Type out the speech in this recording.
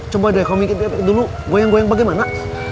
coba deh kamu mikir dulu goyang goyang bagaimana